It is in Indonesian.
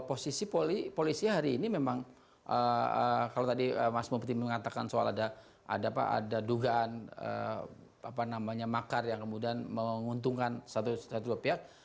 posisi polisi hari ini memang kalau tadi mas mufti mengatakan soal ada dugaan makar yang kemudian menguntungkan satu dua pihak